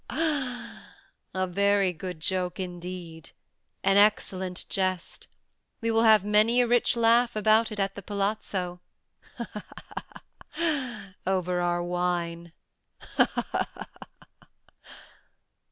—he! he!—a very good joke indeed—an excellent jest. We will have many a rich laugh about it at the palazzo—he! he! he!—over our wine—he! he! he!"